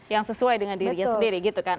yang sesuai dengan dirinya sendiri gitu kan